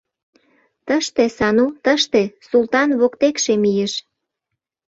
— Тыште, Сану, тыште, — Султан воктекше мийыш.